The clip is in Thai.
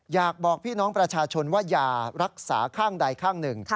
อยากบอกพี่น้องประชาชนว่าอย่ารักษาข้างใดข้างหนึ่ง